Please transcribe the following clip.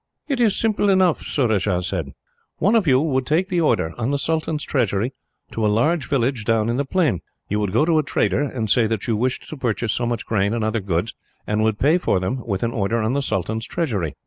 "It is simple enough," Surajah said. "One of you would take the order, on the sultan's treasury, to a large village down in the plain. You would go to a trader, and say that you wished to purchase so much grain and other goods, and would pay for them with an order on the sultan's treasury.